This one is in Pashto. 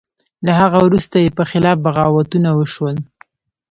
له هغه وروسته یې په خلاف بغاوتونه وشول.